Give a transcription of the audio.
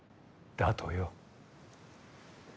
だとよ。